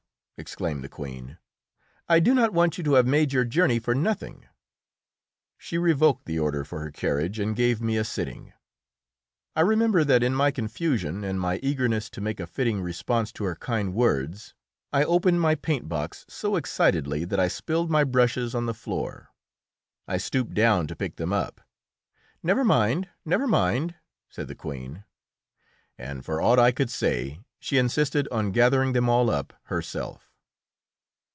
exclaimed the Queen. "I do not want you to have made your journey for nothing!" She revoked the order for her carriage and gave me a sitting. I remember that, in my confusion and my eagerness to make a fitting response to her kind words, I opened my paint box so excitedly that I spilled my brushes on the floor. I stooped down to pick them up. "Never mind, never mind," said the Queen, and, for aught I could say, she insisted on gathering them all up herself.